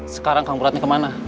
sekarang kang muradnya kemana